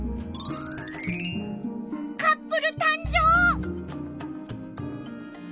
カップルたん生！